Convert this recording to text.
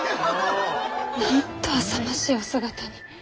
なんとあさましいお姿に。